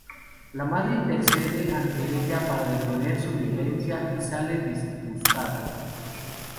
La madre intercede ante ella para detener su violencia, y sale disgustada.